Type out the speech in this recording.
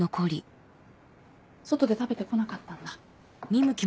外で食べてこなかったんだ。